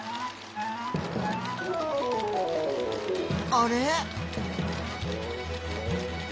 あれ？